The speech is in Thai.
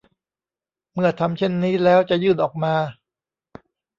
เมื่อทำเช่นนี้แล้วจะยื่นออกมา